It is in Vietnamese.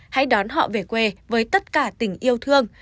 hãy đón họ về quê với tất cả tình yêu thương